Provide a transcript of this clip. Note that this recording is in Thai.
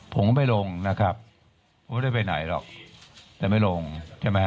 ผมก็ไม่ลงนะครับผมไม่ได้ไปไหนหรอกแต่ไม่ลงใช่ไหมฮะ